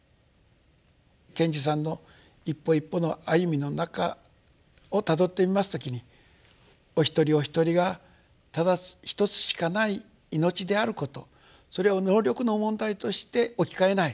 賢治さんの一歩一歩の歩みの中をたどってみます時にお一人お一人がただ一つしかない命であることそれを能力の問題として置き換えない。